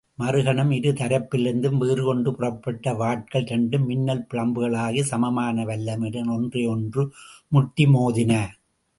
மறுகணம்– இரு தரப்பிலிருந்தும் வீறுகொண்டு புறப்பட்ட வாட்கள் இரண்டும் மின்னல் பிழம்புகளாகிச் சமமான வல்லமையுடன் ஒன்றையொன்று முட்டி மோதின!